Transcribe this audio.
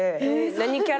何キャラ？